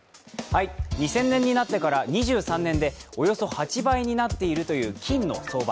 ２０００年になってから２３年でおよそ８倍になっているという金の相場。